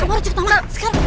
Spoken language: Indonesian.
kamu harus ikut sama sekarang